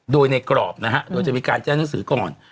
โดยในกรอบนะฮะโดยจะมีการแจ้งหนังสือก่อน